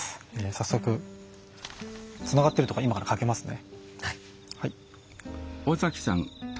早速つながってるというか今からかけますね。